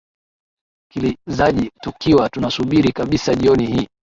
kilizaji tukiwa tunasubiri kabisa jioni hii